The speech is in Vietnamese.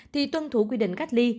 thì tuân thủ quy định cách ly